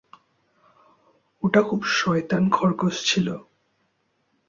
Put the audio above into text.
ওটা খুব শয়তান খরগোশ ছিলো।